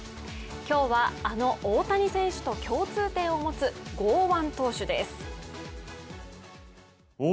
今日はあの大谷選手と共通点を持つ剛腕投手です。